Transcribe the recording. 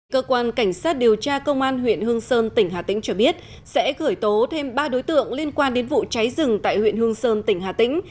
cơ quan cảnh sát điều tra công an huyện hương sơn tỉnh hà tĩnh cho biết sẽ gửi tố thêm ba đối tượng liên quan đến vụ cháy rừng tại huyện hương sơn tỉnh hà tĩnh